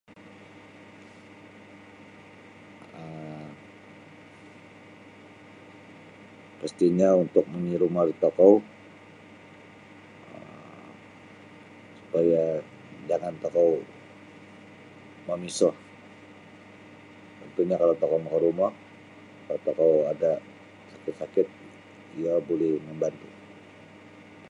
um Pastinyo untuk mingirumo da tokou um supaya jangan tokou mamiso contohnya kalau tokou maka rumo kalau tokou ada sakit-sakit iyo buli mambantu.